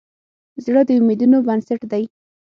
زړه د امیدونو بنسټ دی.